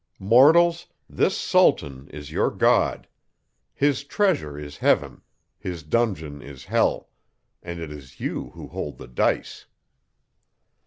Mortals! this SULTAN is your GOD; his TREASURE IS HEAVEN; his DUNGEON IS HELL, and it is you who hold the DICE!